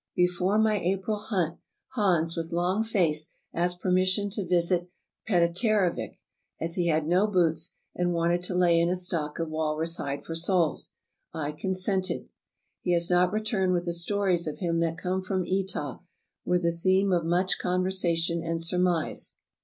Before my April hunt, Hans with long face asked permission to visit Peteravik, as he had no boots and wanted to lay in a stock of walrus hide for soles. I consented. "He has not returned and the stories of him that come from Etah were the theme of much conversation and surmise.